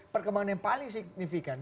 perkembangan yang paling signifikan